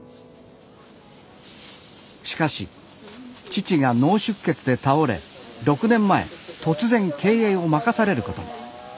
しかし父が脳出血で倒れ６年前突然経営を任されることに。